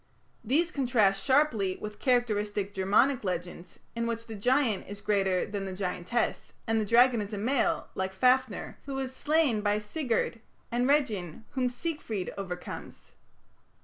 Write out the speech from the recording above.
These contrast sharply with characteristic Germanic legends, in which the giant is greater than the giantess, and the dragon is a male, like Fafner, who is slain by Sigurd, and Regin whom Siegfried overcomes.